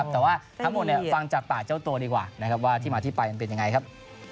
แต่ว่าทำมันฟังจากปากเจ้าโตดีกว่าว่ามาที่ไปมันเป็นยังไงครับ